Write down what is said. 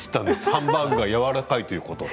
ハンバーグがやわらかいということ。